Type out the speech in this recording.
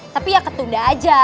tapi ya ketunda aja